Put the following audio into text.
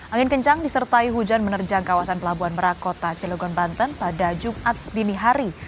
angin kencang disertai hujan menerjang kawasan pelabuhan merak kota cilegon banten pada jumat dini hari